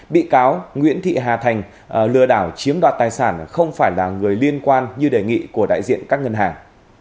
bị cáo nguyễn thị hà thành lừa đảo chiếm đoạt tài sản không phải là người liên quan như đề nghị của đại diện các ngân hàng